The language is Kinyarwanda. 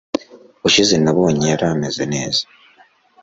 Ubushize namubonye yari ameze neza